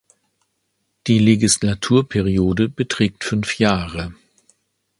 Die Legislaturperiode beträgt fünf Jahre.